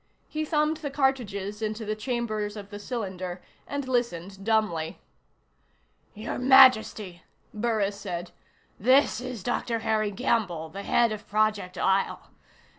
He thumbed the cartridges into the chambers of the cylinder and listened dumbly. "Your Majesty," Burris said, "this is Dr. Harry Gamble, the head of Project Isle. Dr.